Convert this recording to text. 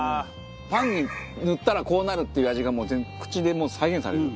パンに塗ったらこうなるっていう味が口でもう再現される。